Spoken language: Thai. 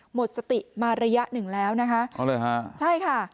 หมดสติมาระยะหนึ่งแล้วนะคะอ๋อเลยฮะใช่ค่ะ